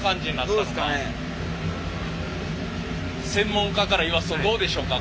専門家から言わすとどうでしょうか？